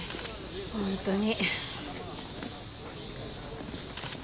本当に。